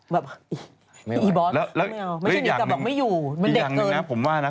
แบบอีบอทไม่เอาไม่อยู่มันเด็กเกินอีอย่างนึงนะผมว่านะ